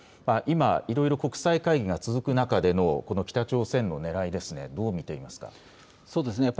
今、いろいろ国際会議が続く中での北朝鮮のねらいですがどう見ていますか。